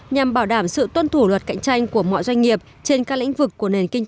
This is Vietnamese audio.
nhằm bảo đảm sự tuân thủ luật cạnh tranh của mọi doanh nghiệp trên các lĩnh vực của nền kinh